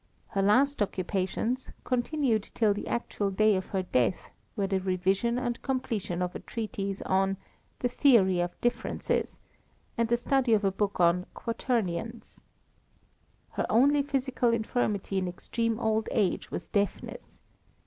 Her last occupations, continued till the actual day of her death, were the revision and completion of a treatise on The Theory of Differences, and the study of a book on Quaternions. Her only physical infirmity in extreme old age was deafness.